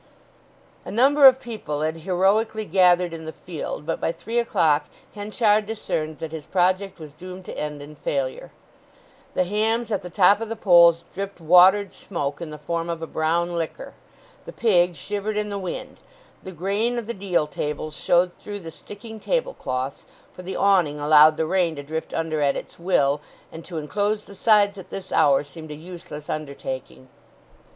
A number of people had heroically gathered in the field but by three o'clock Henchard discerned that his project was doomed to end in failure. The hams at the top of the poles dripped watered smoke in the form of a brown liquor, the pig shivered in the wind, the grain of the deal tables showed through the sticking tablecloths, for the awning allowed the rain to drift under at its will, and to enclose the sides at this hour seemed a useless undertaking.